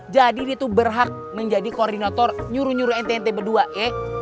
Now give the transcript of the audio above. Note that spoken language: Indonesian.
jadi dia tuh berhak menjadi koordinator nyuruh nyuruh ente ente berdua ya